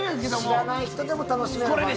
知らない人でも楽しめる番組。